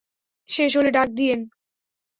শেষ হলে ডাক দিয়েন।